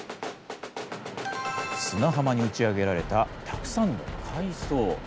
砂浜に打ち上げられたたくさんの海藻。